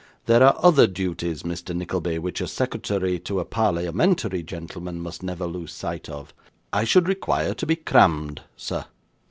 There are other duties, Mr. Nickleby, which a secretary to a parliamentary gentleman must never lose sight of. I should require to be crammed, sir.